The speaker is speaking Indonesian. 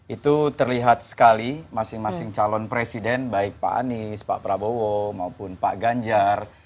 itu terlihat sekali masing masing calon presiden baik pak anies pak prabowo maupun pak ganjar